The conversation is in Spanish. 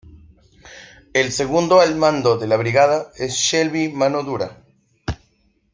El segunda al mano de la Brigada es Shelby mano dura.